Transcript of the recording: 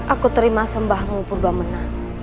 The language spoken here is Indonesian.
aku terima sembahmu purba menang